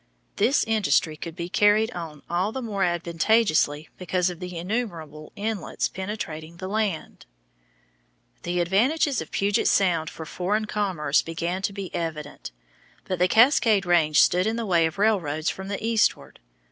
This industry could be carried on all the more advantageously because of the innumerable inlets penetrating the land. The advantages of Puget Sound for foreign commerce began to be evident, but the Cascade Range stood in the way of railroads from the eastward.